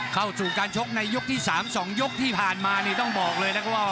เข้าสู่การชกในยกที่๓๒ยกที่ผ่านมานี่ต้องบอกเลยนะครับว่า